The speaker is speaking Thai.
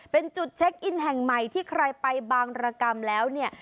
เป็นจุดเช็คอินแห่งใหม่ที่ใครไปบางรกรรมแล้วเนี่ย